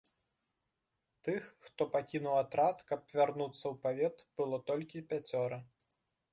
Тых, хто пакінуў атрад, каб вярнуцца ў павет, было толькі пяцёра.